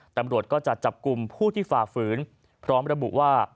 ตำรวจก็จะจับกลุ่มผู้ที่ฝ่าฝืนพร้อมระบุว่า